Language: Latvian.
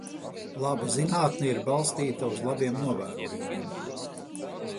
Laba zinātne ir balstīta uz labiem novērojumiem.